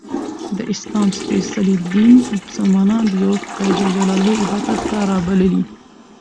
د اسلام څپېڅلي دین ملسلمانان د یوه خدایﷻ عبادت ته رابللي